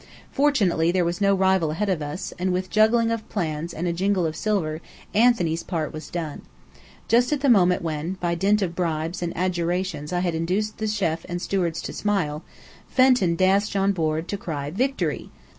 Fortunately there was no rival ahead of us; and with juggling of plans and jingle of silver, Anthony's part was done. Just at the moment when, by dint of bribes and adjurations I had induced chêf and stewards to smile, Fenton dashed on board to cry "Victory!"